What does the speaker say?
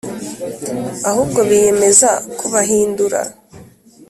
Ahubwo biyemeza kubahindura